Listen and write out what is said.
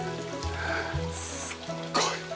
すっごい。